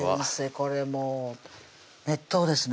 これもう熱湯ですね